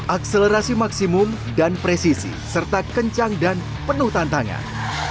akselerasi maksimum dan presisi serta kencang dan penuh tantangan